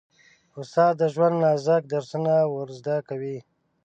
استاد د ژوند نازک درسونه ور زده کوي.